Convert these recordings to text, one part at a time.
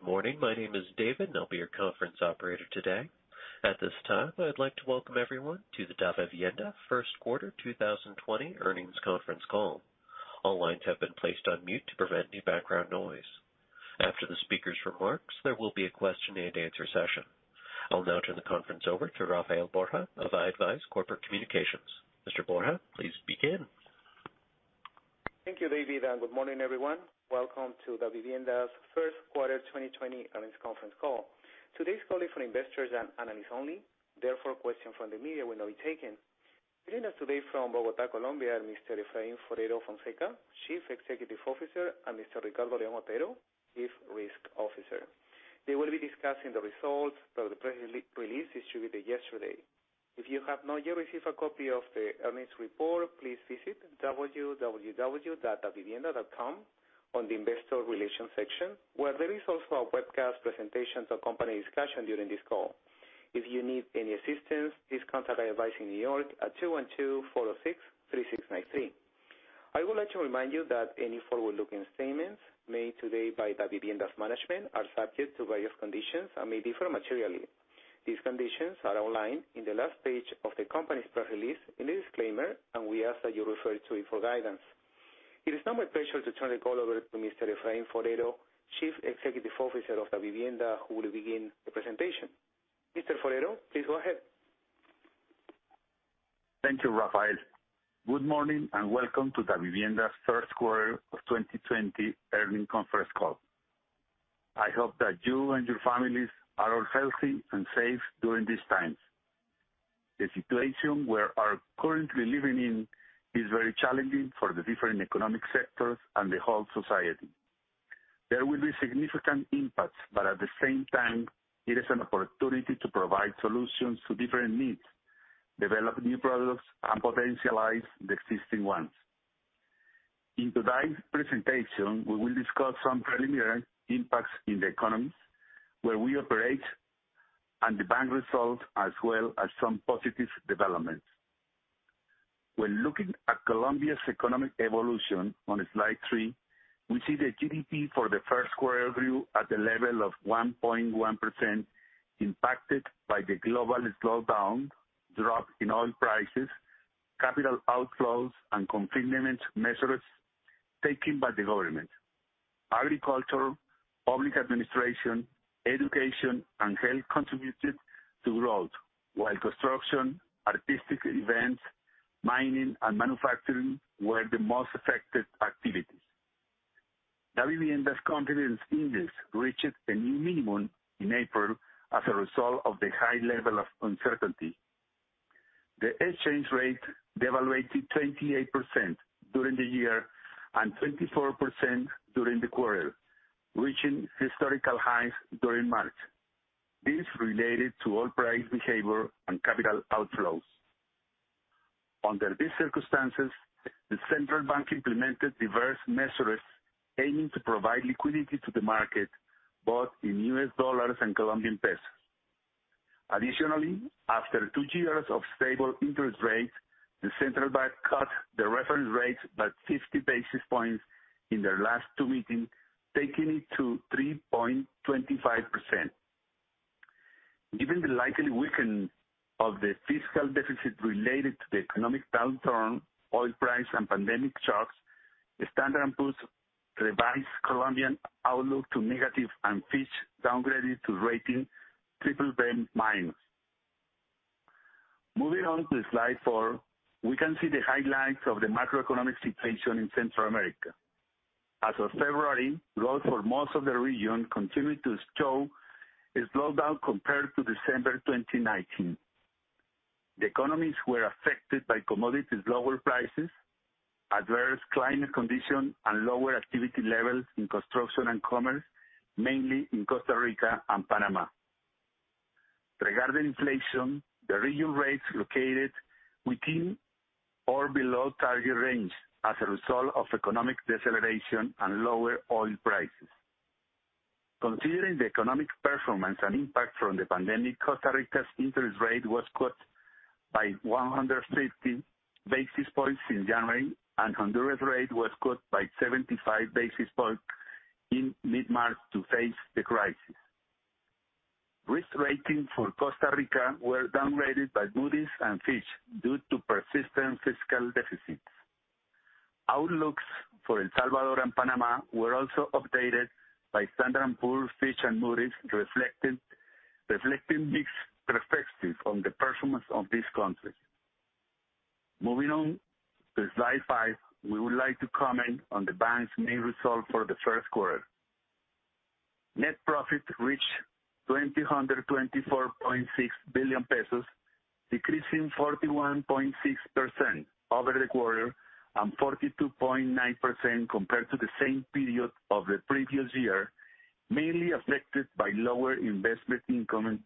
Good morning. My name is David, and I'll be your conference operator today. At this time, I'd like to welcome everyone to the Davivienda First Quarter 2020 Earnings Conference Call. All lines have been placed on mute to prevent any background noise. After the speaker's remarks, there will be a question-and-answer session. I'll now turn the conference over to Rafael Borja of i-advize Corporate Communications. Mr. Borja, please begin. Thank you, David, and good morning, everyone. Welcome to Davivienda's First Quarter 2020 Earnings Conference Call. Today's call is for investors and analysts only. Therefore, questions from the media will not be taken. Joining us today from Bogota, Colombia, Mr. Efraín Forero Fonseca, Chief Executive Officer, and Mr. Ricardo León Otero, Chief Risk Officer. They will be discussing the results of the press release distributed yesterday. If you have not yet received a copy of the earnings report, please visit www.davivienda.com on the investor relations section, where there is also a webcast presentation to accompany discussion during this call. If you need any assistance, please contact i-advize in New York at 212-406-3693. I would like to remind you that any forward-looking statements made today by Davivienda's management are subject to various conditions and may differ materially. These conditions are outlined in the last page of the company's press release in the disclaimer, and we ask that you refer to it for guidance. It is now my pleasure to turn the call over to Mr. Efraín Forero, Chief Executive Officer of Davivienda, who will begin the presentation. Mr. Forero, please go ahead. Thank you, Rafael. Good morning and welcome to Davivienda's First Quarter of 2020 Earnings Conference Call. I hope that you and your families are all healthy and safe during these times. The situation we are currently living in is very challenging for the different economic sectors and the whole society. There will be significant impacts, but at the same time, it is an opportunity to provide solutions to different needs, develop new products, and potentialize the existing ones. In today's presentation, we will discuss some preliminary impacts in the economies where we operate and the bank results, as well as some positive developments. When looking at Colombia's economic evolution on slide three, we see the GDP for the First Quarter grew at a level of 1.1%, impacted by the global slowdown, drop in oil prices, capital outflows, and confinement measures taken by the government. Agriculture, public administration, education, and health contributed to growth, while construction, artistic events, mining, and manufacturing were the most affected activities. Davivienda's confidence index reached a new minimum in April as a result of the high level of uncertainty. The exchange rate devalued 28% during the year and 24% during the quarter, reaching historical highs during March. This related to oil price behavior and capital outflows. Under these circumstances, the Central Bank implemented diverse measures aiming to provide liquidity to the market, both in U.S. dollars and Colombian pesos. Additionally, after two years of stable interest rates, the Central Bank cut the reference rates by 50 basis points in their last two meetings, taking it to 3.25%. Given the likely weakening of the fiscal deficit related to the economic downturn, oil price, and pandemic shocks, Standard and Poor's revised Colombian outlook to negative and Fitch downgraded to rating BBB-. Moving on to slide four, we can see the highlights of the macroeconomic situation in Central America. As of February, growth for most of the region continued to show a slowdown compared to December 2019. The economies were affected by commodities lower prices, adverse climate conditions, and lower activity levels in construction and commerce, mainly in Costa Rica and Panama. Regarding inflation, the region rates located within or below target range as a result of economic deceleration and lower oil prices. Considering the economic performance and impact from the pandemic, Costa Rica's interest rate was cut by 150 basis points in January, and Honduras rate was cut by 75 basis points in mid-March to face the crisis. Risk ratings for Costa Rica were downgraded by Moody's and Fitch due to persistent fiscal deficits. Outlooks for El Salvador and Panama were also updated by Standard and Poor's, Fitch, and Moody's, reflecting mixed perspectives on the performance of these countries. Moving on to slide five, we would like to comment on the bank's main results for the first quarter. Net profit reached COP 224.6 billion, decreasing 41.6% over the quarter and 42.9% compared to the same period of the previous year, mainly affected by lower investment income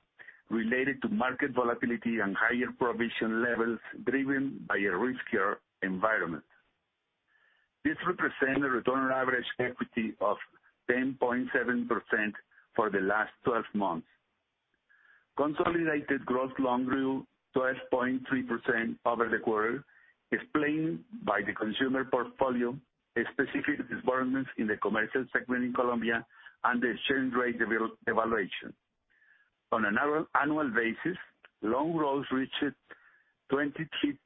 related to market volatility and higher provision levels driven by a riskier environment. This represents a return on average equity of 10.7% for the last 12 months. Consolidated gross loans grew 12.3% over the quarter, explained by the consumer portfolio, specific disbursements in the commercial segment in Colombia, and the exchange rate devaluation. On an annual basis, loan growth reached 23.3%.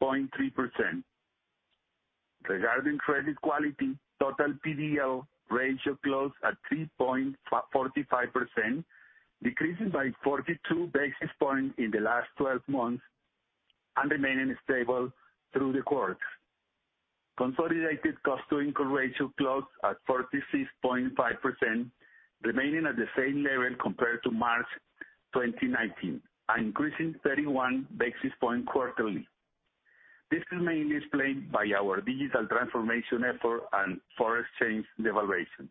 Regarding credit quality, total PDL ratio closed at 3.45%, decreasing by 42 basis points in the last 12 months and remaining stable through the quarter. Consolidated cost-to-income ratio closed at 36.5%, remaining at the same level compared to March 2019 and increasing 31 basis points quarterly. This is mainly explained by our digital transformation effort and foreign exchange devaluation.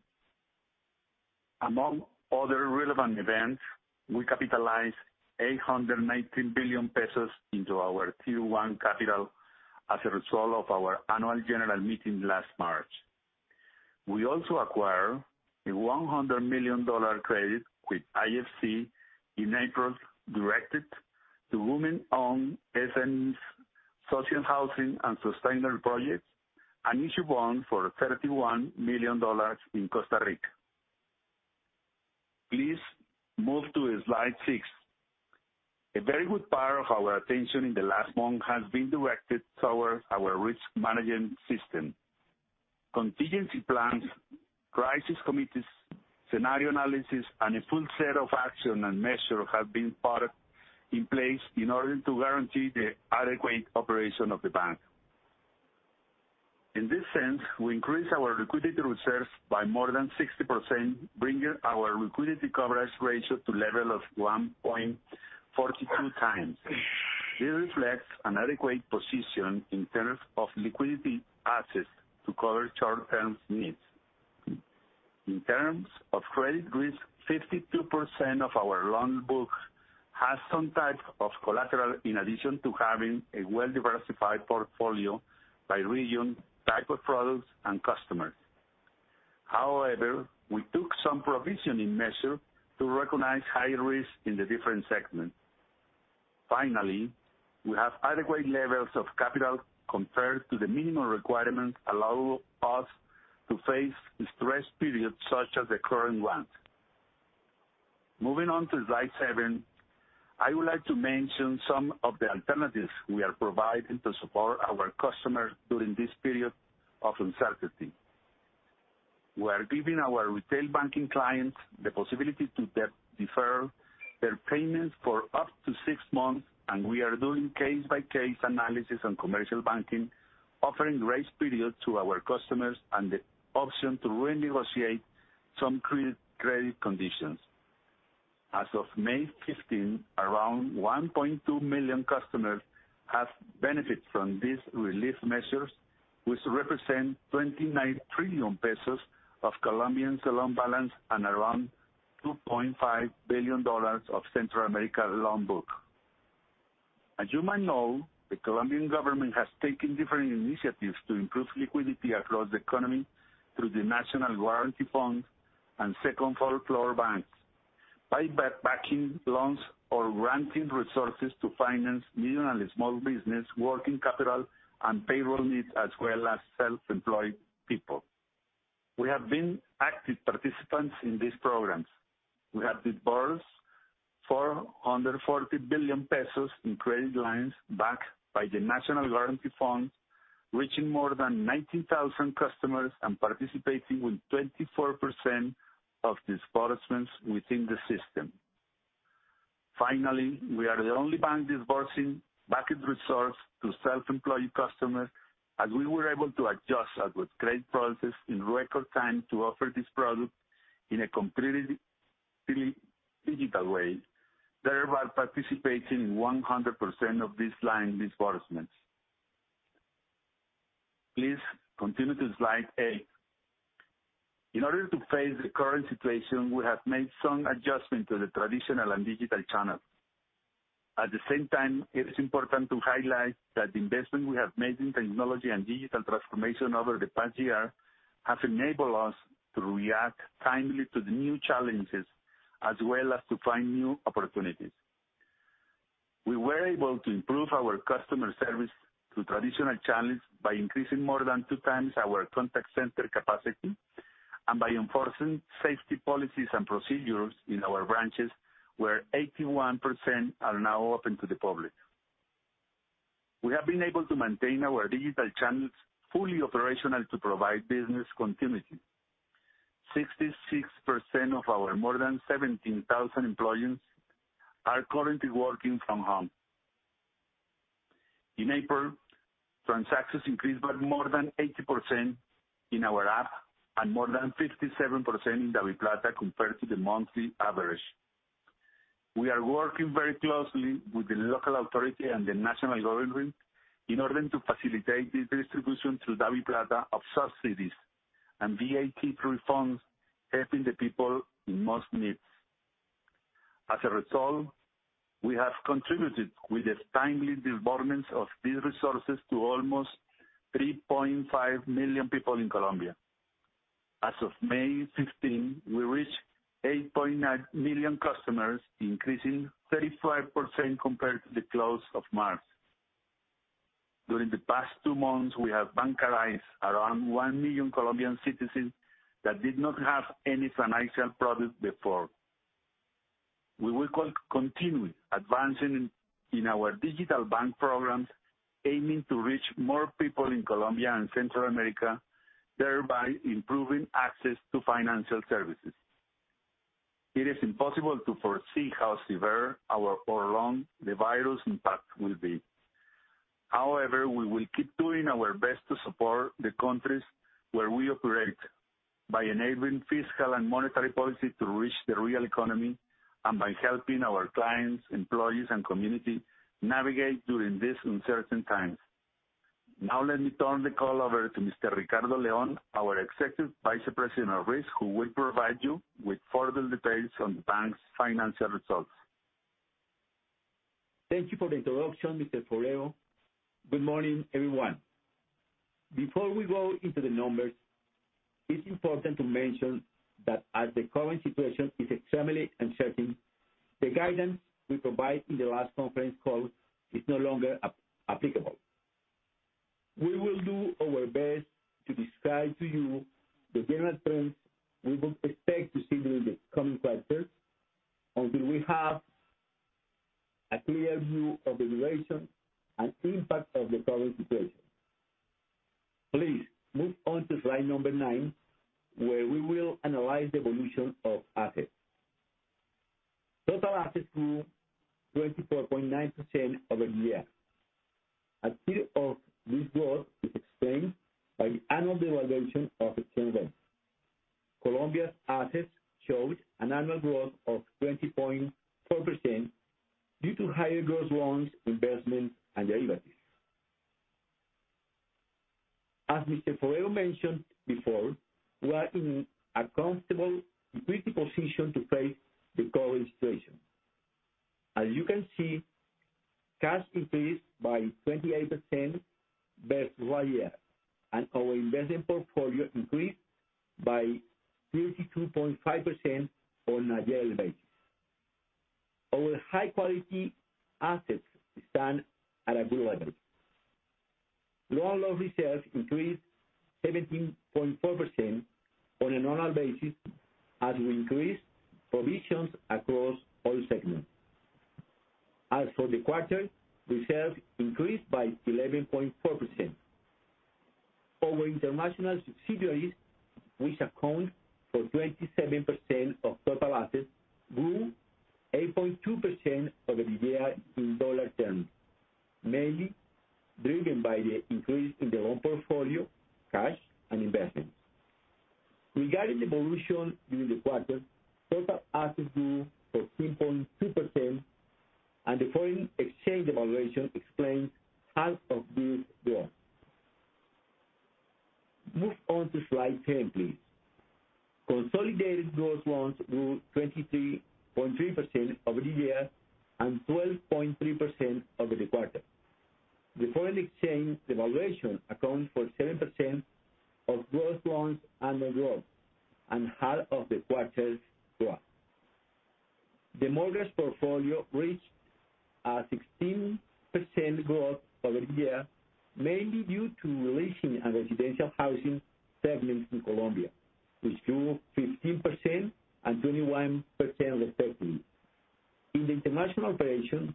Among other relevant events, we capitalized COP 819 billion into our Tier 1 capital as a result of our annual general meeting last March. We also acquired a $100 million credit with IFC in April, directed to women-owned SMEs, social housing, and sustainable projects, and issued bonds for COP 31 million in Costa Rica. Please move to slide six. A very good part of our attention in the last month has been directed toward our risk management system. Contingency plans, crisis committees, scenario analysis, and a full set of action and measures have been put in place in order to guarantee the adequate operation of the bank. In this sense, we increased our liquidity reserves by more than 60%, bringing our liquidity coverage ratio to a level of 1.42x. This reflects an adequate position in terms of liquidity assets to cover short-term needs. In terms of credit risk, 52% of our loan book has some type of collateral in addition to having a well-diversified portfolio by region, type of products, and customers. However, we took some provisioning measures to recognize higher risk in the different segments. Finally, we have adequate levels of capital compared to the minimum requirement, allowing us to face stressed periods such as the current one. Moving on to slide seven, I would like to mention some of the alternatives we are providing to support our customers during this period of uncertainty. We are giving our retail banking clients the possibility to defer their payments for up to six months. We are doing case-by-case analysis on commercial banking, offering grace periods to our customers and the option to renegotiate some credit conditions. As of May 15, around 1.2 million customers have benefited from these relief measures, which represent COP 29 trillion of Colombian loan balance and around $2.5 billion of Central America loan book. As you might know, the Colombian government has taken different initiatives to improve liquidity across the economy through the National Guarantee Fund and second-tier banks by backing loans or granting resources to finance medium and small business working capital and payroll needs, as well as self-employed people. We have been active participants in these programs. We have disbursed COP 440 billion in credit lines backed by the National Guarantee Fund, reaching more than 19,000 customers and participating with 24% of disbursements within the system. Finally, we are the only bank disbursing backed resources to self-employed customers, as we were able to adjust our credit process in record time to offer this product in a completely digital way, thereby participating in 100% of these line disbursements. Please continue to slide eight. In order to face the current situation, we have made some adjustments to the traditional and digital channels. At the same time, it is important to highlight that the investment we have made in technology and digital transformation over the past year has enabled us to react timely to the new challenges as well as to find new opportunities. We were able to improve our customer service to traditional channels by increasing more than two times our contact center capacity and by enforcing safety policies and procedures in our branches, where 81% are now open to the public. We have been able to maintain our digital channels fully operational to provide business continuity. 66% of our more than 17,000 employees are currently working from home. In April, transactions increased by more than 80% in our app and more than 57% in DaviPlata compared to the monthly average. We are working very closely with the local authority and the national government in order to facilitate the distribution through DaviPlata of subsidies and VAT refunds, helping the people in most need. As a result, we have contributed with the timely disbursements of these resources to almost 3.5 million people in Colombia. As of May 15, we reached 8.9 million customers, increasing 35% compared to the close of March. During the past two months, we have bankarized around one million Colombian citizens that did not have any financial product before. We will continue advancing in our digital bank programs, aiming to reach more people in Colombia and Central America, thereby improving access to financial services. It is impossible to foresee how severe or prolonged the virus impact will be. We will keep doing our best to support the countries where we operate by enabling fiscal and monetary policy to reach the real economy and by helping our clients, employees, and community navigate during these uncertain times. Let me turn the call over to Mr. Ricardo León, our Executive Vice President of Risk, who will provide you with further details on the bank's financial results. Thank you for the introduction, Mr. Forero. Good morning, everyone. Before we go into the numbers, it's important to mention that as the current situation is extremely uncertain, the guidance we provide in the last conference call is no longer applicable. We will do our best to describe to you the general trends we would expect to see during the coming quarters until we have a clear view of the duration and impact of the current situation. Please move on to slide number nine, where we will analyze the evolution of assets. Total assets grew 24.9% over the year. A third of this growth is explained by the annual devaluation of exchanges. Colombia's assets showed an annual growth of 20.4% due to higher gross loans, investments, and derivatives. As Mr. Forero mentioned before, we are in a comfortable liquidity position to face the current situation. As you can see, cash increased by 28% versus last year, and our investment portfolio increased by 32.5% on a year-on-year basis. Our high-quality assets stand at a good level. Loan loss reserves increased 17.4% on an annual basis as we increased provisions across all segments. As for the quarter, reserves increased by 11.4%. Our international subsidiaries, which account for 27% of total assets, grew 8.2% over the year in dollar terms, mainly driven by the increase in the loan portfolio, cash, and investments. Regarding the evolution during the quarter, total assets grew for 3.2%, and the foreign exchange devaluation explains half of this growth. Move on to slide 10, please. Consolidated gross loans grew 23.3% over the year and 12.3% over the quarter. The foreign exchange devaluation accounts for 7% of gross loans annual growth and half of the quarter's growth. The mortgage portfolio reached a 16% growth over the year, mainly due to the relation and residential housing segments in Colombia, which grew 15% and 21%, respectively. In the international operation,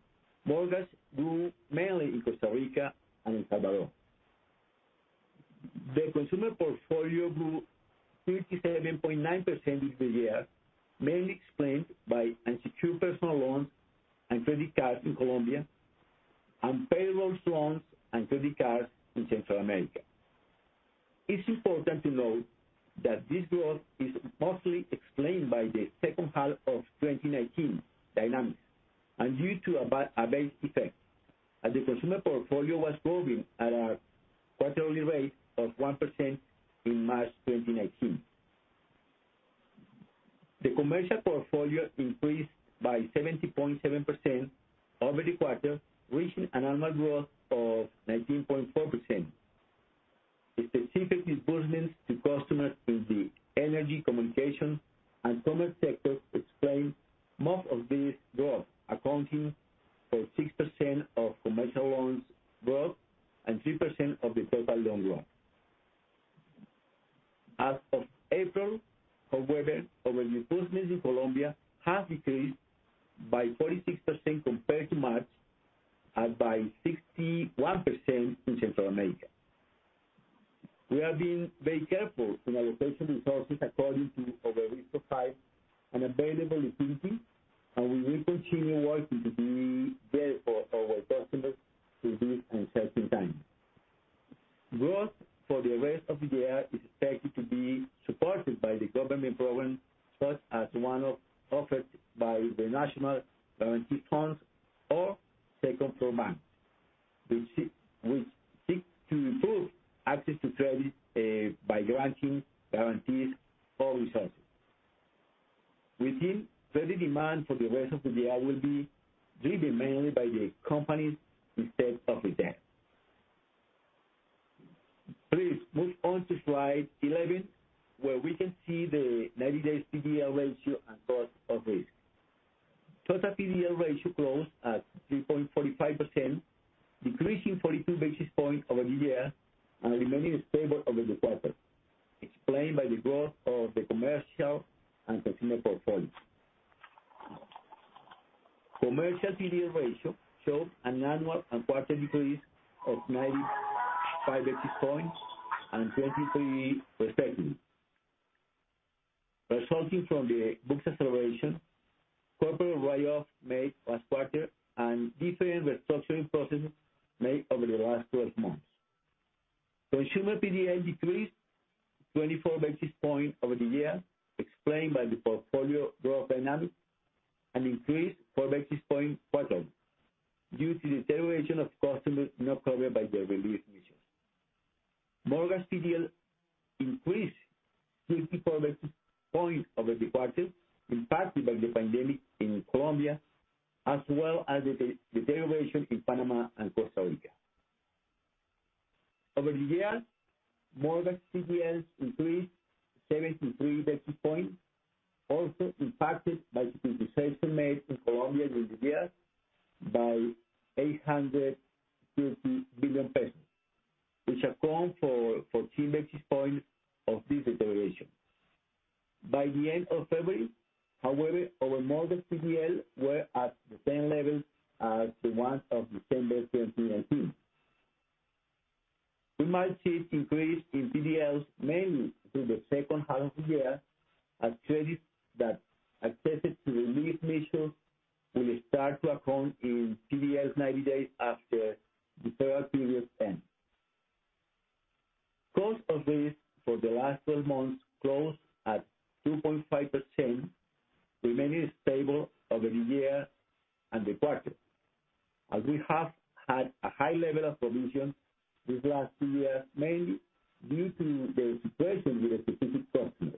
also impacted by the (concession) made in Colombia during the year by COP 850 billion, which account for 14 basis points of this deterioration. By the end of February, however, our mortgage PDL were at the same level as the ones of December 2019. We might see an increase in PDLs mainly through the second half of the year as credits that accessed the relief measures will start to account in PDLs 90 days after the third period ends. Cost of risk for the last 12 months closed at 2.5%, remaining stable over the year and the quarter, as we have had a high level of provision these last two years mainly due to the situation with a specific customer.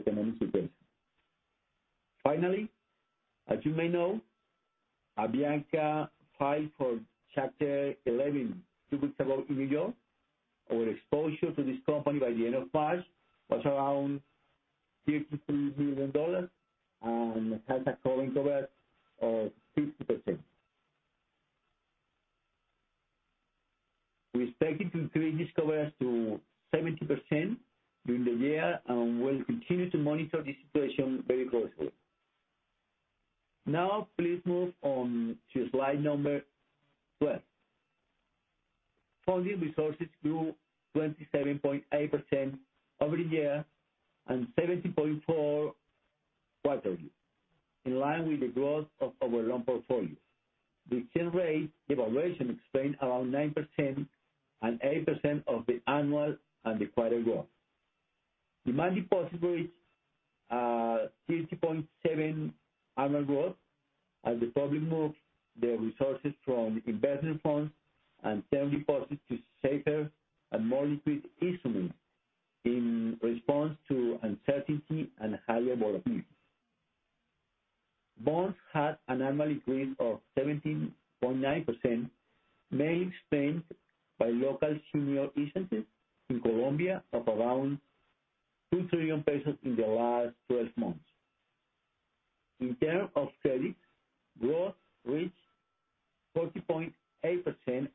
measures by updating their stage classification, thereby increasing provisions. As you can see, our stage 2 increased to 12.9% from 5.8% in December 2019. Secondly, we also adjust provision for many corporate customers in the various affected sectors. Lastly, we updated our forward-looking parameters with the available information we have by the end of March, materializing adverse macroeconomic scenarios. We will continue to update our models every quarter, and we should expect to see additional provision expenses according to the evolution of the economic situation. Finally, as you may know, Avianca filed for Chapter 11 two weeks ago in New York. Our exposure to this company by the end of March was around $53 million and has a current cover of 50%. We expect it to increase this coverage to 70% during the year and will continue to monitor the situation very closely. Now please move on to slide number 12. Funding resources grew 27.8% over the year and 17.4% quarterly, in line with the growth of our loan portfolio. The exchange rate devaluation explained around 9% and 8% of the annual and the quarter growth. Demand deposits reached a 50.7% annual growth as the public moved their resources from investment funds and term deposits to safer and more liquid instruments in response to uncertainty and higher volatility. Bonds had an annual increase of 17.9%, mainly explained by local senior issuances in Colombia of around COP 2 trillion in the last 12 months. In terms of credits, growth reached 40.8%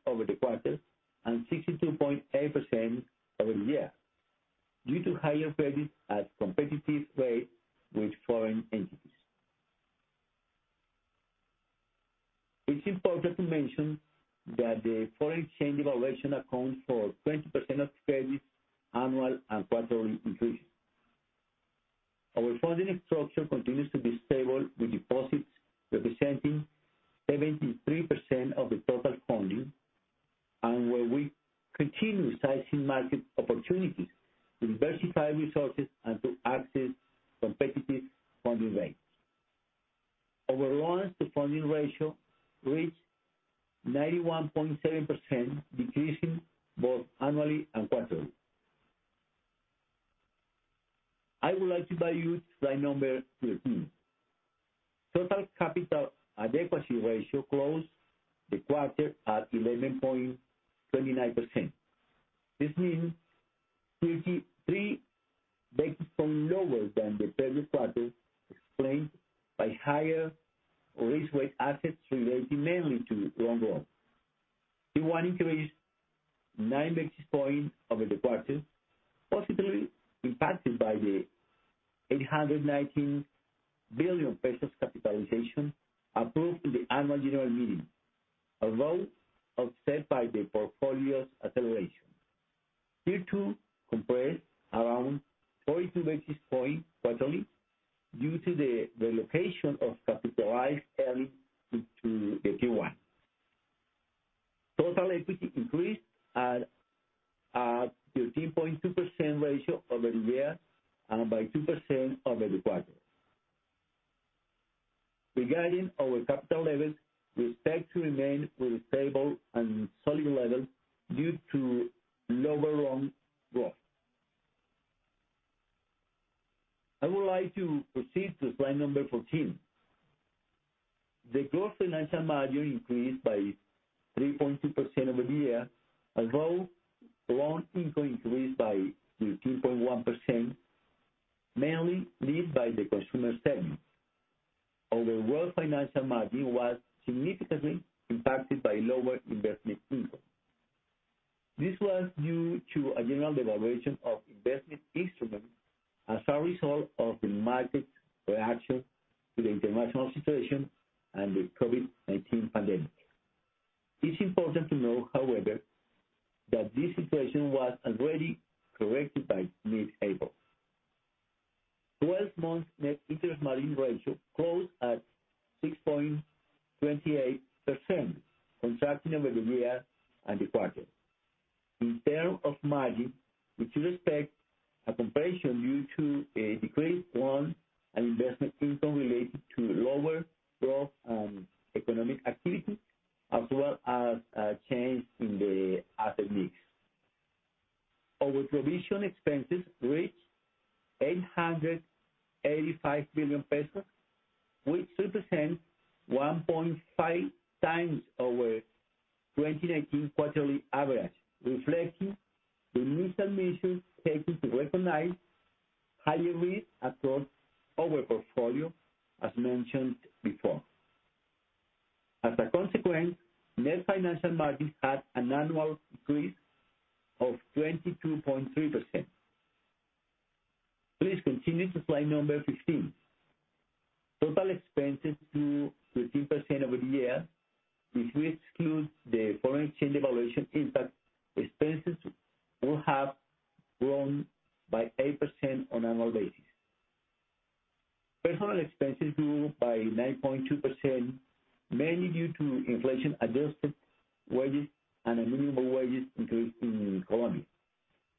over the quarter and 62.8% over the year due to higher credits at competitive rates with foreign entities. It's important to mention that the foreign exchange devaluation accounts for 20% of credit annual and quarterly increase. Our funding structure continues to be stable, with deposits representing 73% of the total funding. Where we continue seizing market opportunities to diversify resources and to access competitive funding rates. Our loans to funding ratio reached 91.7%, decreasing both annually and quarterly. I would like to invite you to slide number 13. Total capital adequacy ratio closed the quarter at 11.29%. This means 23 basis points lower than the previous quarter, explained by higher risk-weight assets relating mainly to loan growth. Tier 1 increased nine basis points over the quarter, positively impacted by the COP 819 billion capitalization approved in the annual general meeting, although offset by the books acceleration. Tier 2 compressed around 42 basis points quarterly due to the relocation of capitalized earnings into the Tier 1. Total equity increased at a 13.2% ratio over the year and by 2% over the quarter. Regarding our capital levels, we expect to remain with stable and solid levels due to lower loan growth. I would like to proceed to slide number 14. The group financial margin increased by 3.2% over the year, although loan income increased by 13.1%, mainly led by the consumer segment. Overall financial margin was significantly impacted by lower investment income. This was due to a general devaluation of investment instruments as a result of the market reaction to the international situation and the COVID-19 pandemic. It's important to note, however, that this situation was already corrected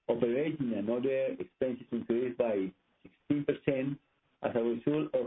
Operating and other expenses increased by 16% as a result of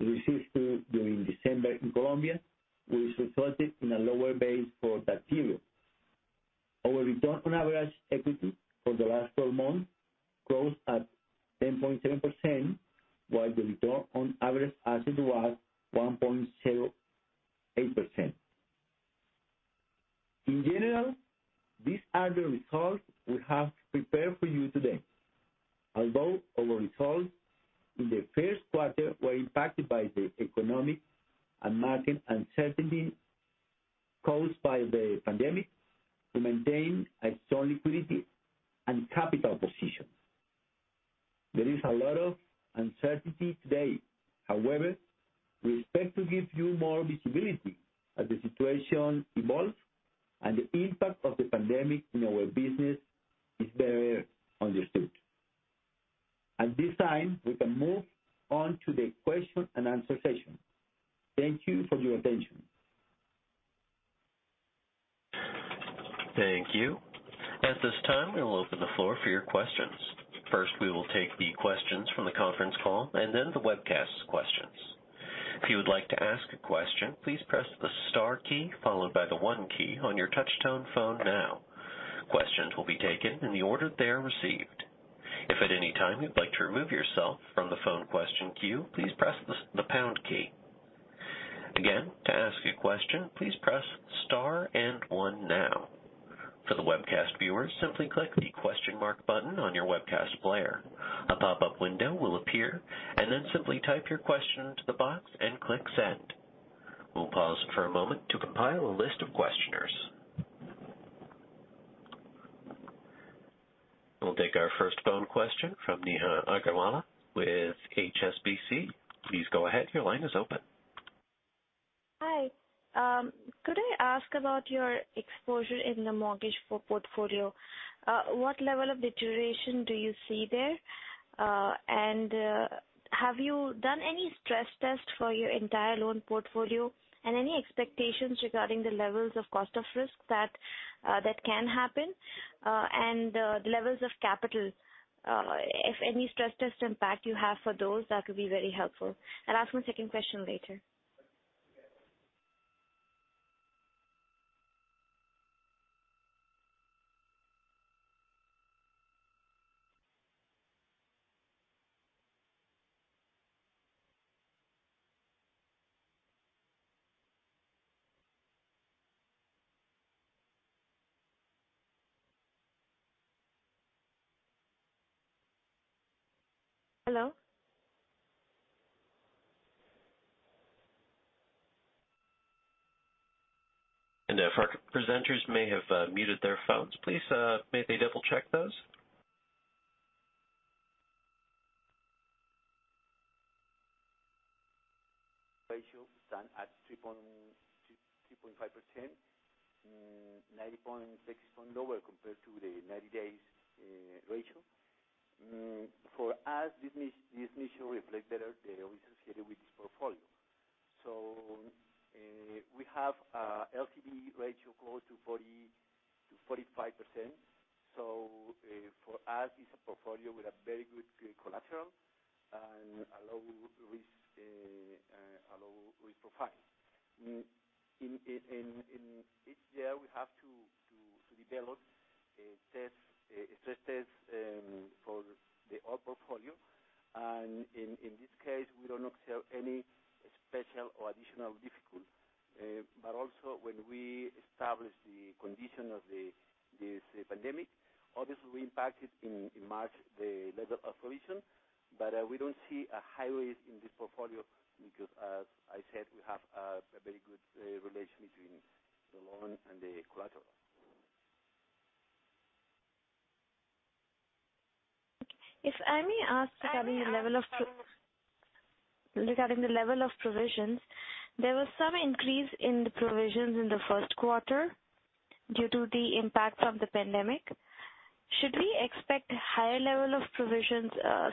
received during December in Colombia, which resulted in a lower base for that year. Our return on average equity for the last 12 months closed at 10.7%, while the return on average assets was 1.08%. In general, these are the results we have prepared for you today. Although our results in the first quarter were impacted by the economic and market uncertainty caused by the pandemic, we maintain a strong liquidity and capital position. There is a lot of uncertainty today. However, we expect to give you more visibility as the situation evolves and the impact of the pandemic on our business is better understood. At this time, we can move on to the question and answer session. Thank you for your attention. Thank you. At this time, we will open the floor for your questions. First, we will take the questions from the conference call and then the webcast questions. If you would like to ask a question, please press the star key followed by the one key on your touch-tone phone now. Questions will be taken in the order they are received. If at any time you'd like to remove yourself from the phone question queue, please press the pound key. Again, to ask a question, please press star and one now. For the webcast viewers, simply click the question mark button on your webcast player. A pop-up window will appear, and then simply type your question into the box and click send. We'll pause for a moment to compile a list of questioners. We'll take our first phone question from Neha Agarwala with HSBC. Please go ahead. Your line is open. Hi. Could I ask about your exposure in the mortgage portfolio? What level of deterioration do you see there? Have you done any stress tests for your entire loan portfolio? Any expectations regarding the levels of cost of risk that can happen, and the levels of capital, if any stress test impact you have for those, that would be very helpful. I'll ask my second question later. Hello? Our presenters may have muted their phones. Please may they double-check those. Ratio stand at 3.5%, 90.6 lower compared to the 90 days ratio. For us, this measure reflects better the risk associated with this portfolio. We have a LTV ratio go to 45%. For us, it's a portfolio with a very good collateral and a low risk profile. In each year, we have to develop a stress test for the whole portfolio. In this case, we do not have any special or additional difficulty. Also, when we establish the condition of this pandemic, obviously we impacted in March the level of provision. We don't see a high risk in this portfolio because, as I said, we have a very good relation between the loan and the collateral. If I may ask regarding the level of provisions, there was some increase in the provisions in the first quarter due to the impact of the pandemic. Should we expect higher level of provisions,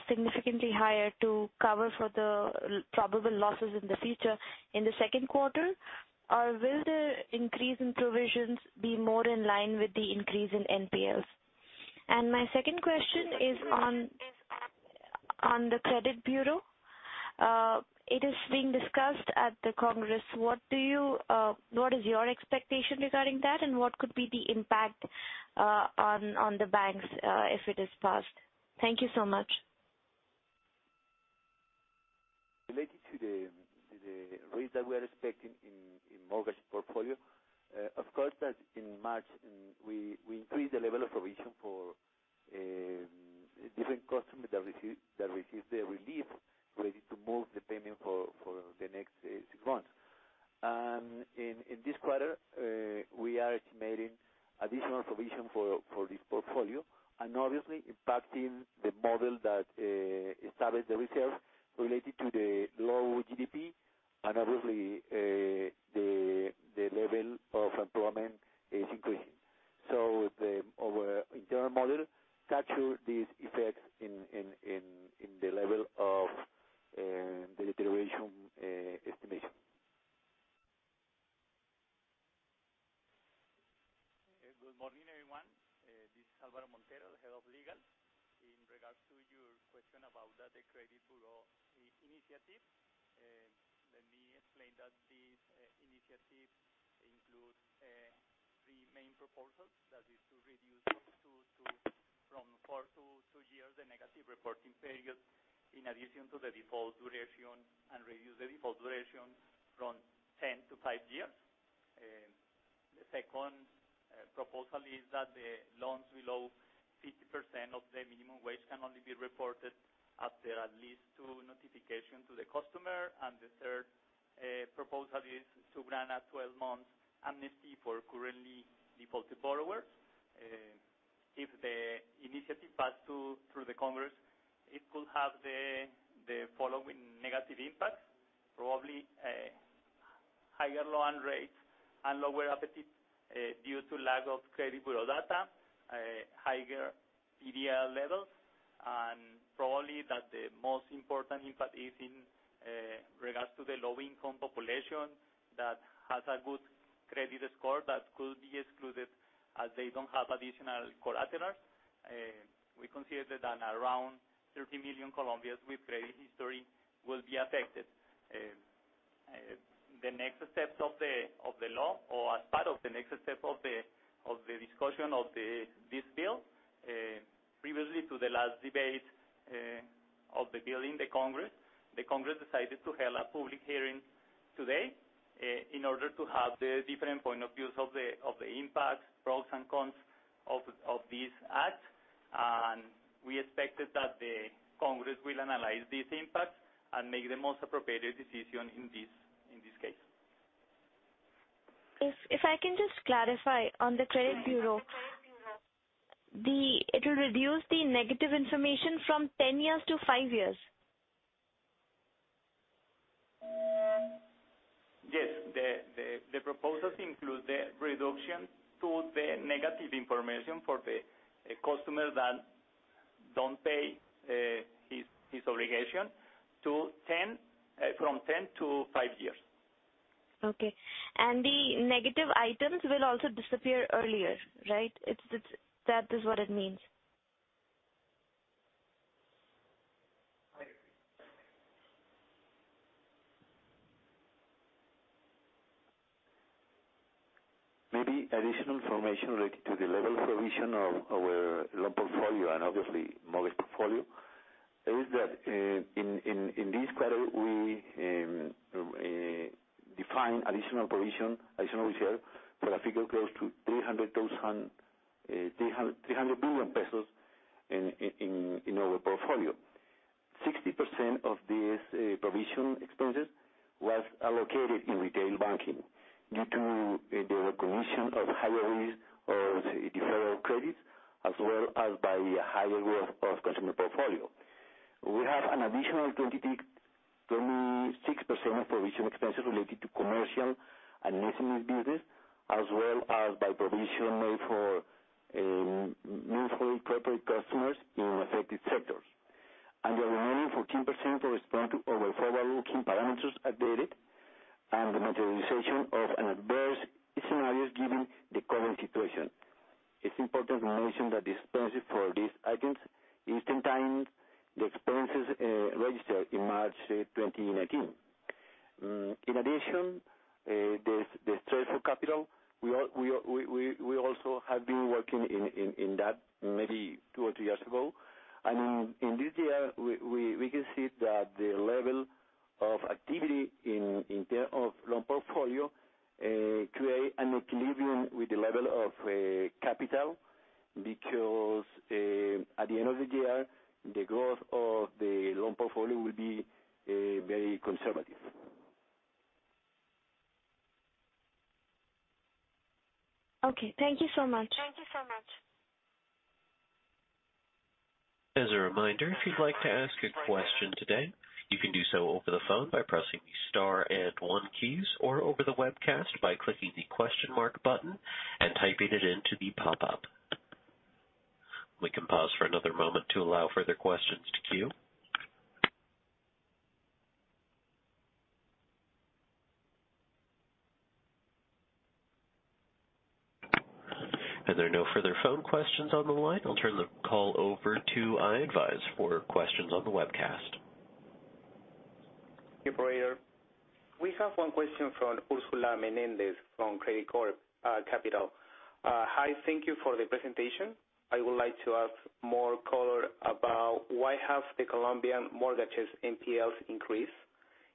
significantly higher to cover for the probable losses in the future in the second quarter? Will the increase in provisions be more in line with the increase in NPLs? My second question is on the credit bureau. It is being discussed at the Congress. What is your expectation regarding that, and what could be the impact on the banks if it is passed? Thank you so much. Related to the rate that we are expecting in mortgage portfolio, of course, that in March, we increased the level of provision for different customers that received the it could have the following negative impacts. Probably higher loan rates and lower appetite due to lack of credit bureau data, higher PDL levels, and probably that the most important impact is in regards to the low-income population that has a good credit score that could be excluded as they don't have additional collaterals. We consider that around 30 million Colombians with credit history will be affected. The next steps of the law, or as part of the next step of the discussion of this bill, previously to the last debate of the bill in the Congress, the Congress decided to hold a public hearing today in order to have the different point of views of the impacts, pros and cons of this act. We expected that the Congress will analyze this impact and make the most appropriate decision in this case. If I can just clarify on the credit bureau. It will reduce the negative information from 10 years to 5 years. Yes. The proposals include the reduction to the negative information for the customer that don't pay his obligation from 10 to five years. Okay. The negative items will also disappear earlier, right? That is what it means. I agree. Maybe additional information related to the level of provision of our loan portfolio and obviously mortgage portfolio, is that in this quarter, we define additional provision, additional reserve for a figure close to COP 300 billion in our portfolio. 60% of these provision expenses was allocated in retail banking due to the recognition of higher risk of deferred credits as well as by higher growth of consumer portfolio. We have an additional 26% of provision expenses related to commercial and SMEs business as well as by provision made for newly corporate customers in affected sectors. The remaining 14% correspond to our forward-looking parameters updated and the materialization of an adverse scenario given the COVID-19 situation. It's important to mention that the expenses for these items is the same the expenses registered in March 2019. In addition, the stress for capital, we also have been working in that maybe two or three years ago. In this year, we can see that the level of activity in terms of loan portfolio creates an equilibrium with the level of capital, because at the end of the year, the growth of the loan portfolio will be very conservative. Okay. Thank you so much. As a reminder, if you'd like to ask a question today, you can do so over the phone by pressing the star and one keys, or over the webcast by clicking the question mark button and typing it into the pop-up. We can pause for another moment to allow further questions to queue. As there are no further phone questions on the line, I'll turn the call over to i-advize for questions on the webcast. Operator, we have one question from Ursula Menéndez from Credicorp Capital. Hi, thank you for the presentation. I would like to have more color about why have the Colombian mortgages NPLs increased.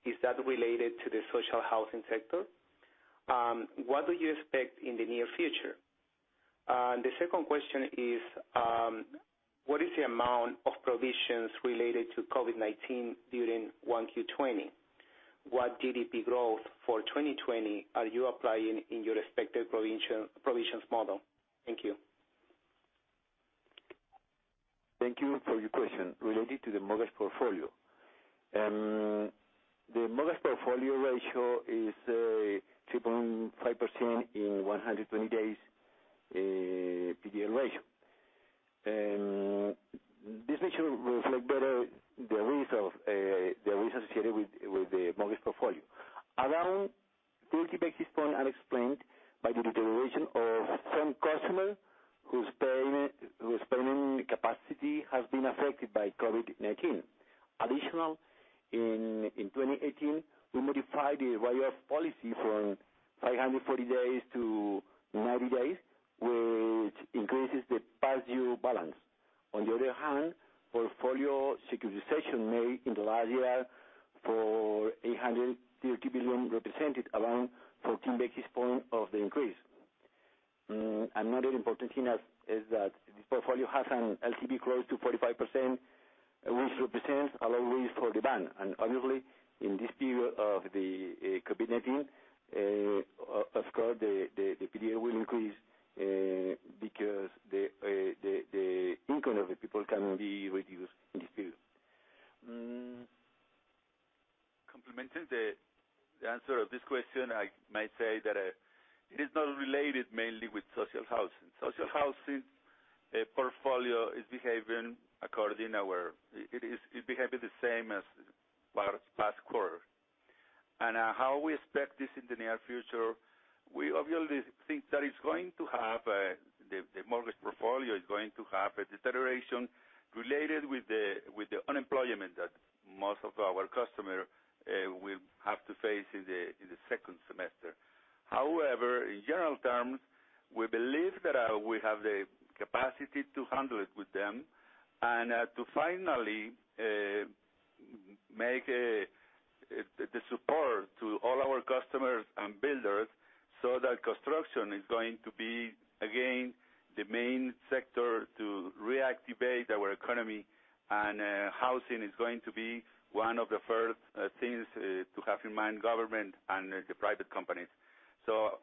Is that related to the social housing sector? What do you expect in the near future? The second question is, what is the amount of provisions related to COVID-19 during one Q20? What GDP growth for 2020 are you applying in your expected provisions model? Thank you. Thank you for your question related to the mortgage portfolio. The mortgage portfolio ratio is 3.5% in 120 days PDL ratio. This ratio reflect better the risk associated with the mortgage portfolio. Around 40 basis point are explained by the deterioration of some customer whose spending capacity has been affected by COVID-19. Additional, in 2018, we modified the write-off policy from 540 days to 90 days, which increases the past due balance. On the other hand, portfolio securitization made in the last year for COP 830 billion represented around 14 basis point of the increase. Another important thing is that this portfolio has an LTV close to 45%, which represents a low risk for the bank. Obviously, in this period of the COVID-19, of course, the PDL will increase, because the income of the people can be reduced in this period. Complementing the answer of this question, I might say that it is not related mainly with social housing. Social housing portfolio is behaving the same as past quarter. How we expect this in the near future, we obviously think that the mortgage portfolio is going to have a deterioration related with the unemployment that most of our customers will have to face in the second semester. However, in general terms, we believe that we have the capacity to handle it with them, and to finally make the support to all our customers and builders, so that construction is going to be, again, the main sector to reactivate our economy. Housing is going to be one of the first things to have in mind, government and the private companies.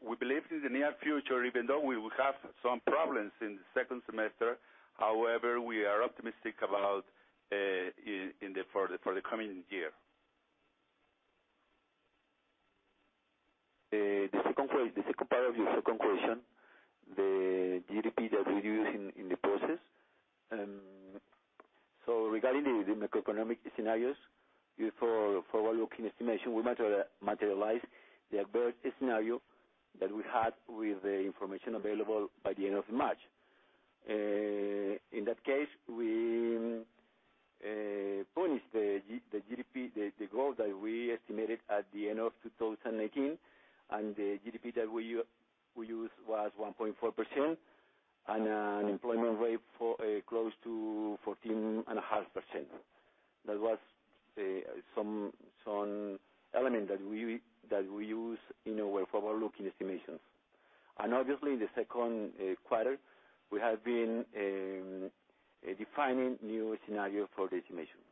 We believe in the near future, even though we will have some problems in the second semester, however, we are optimistic about for the coming year. The second part of your second question, the GDP that we use in the process. Regarding the macroeconomic scenarios for forward-looking estimation, we materialize the adverse scenario that we had with the information available by the end of March. In that case, we punished the GDP, the growth that we estimated at the end of 2019, and the GDP that we used was 1.4%, and an employment rate close to 14.5%. That was some element that we used in our forward-looking estimations. Obviously, in the second quarter, we have been defining new scenario for the estimation. There